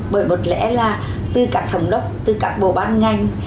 bởi một lẽ là từ các thống đốc từ các bộ ban ngành